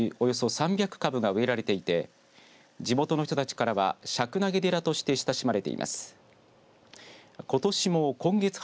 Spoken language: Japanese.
およそ３００株が植えられていて地元の人たちからは石楠花寺として親しまれています。